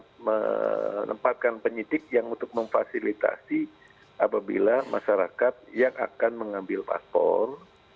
kami sudah ada menempatkan penyidik yang untuk memfasilitasi apabila masyarakat yang akan mengambil paspor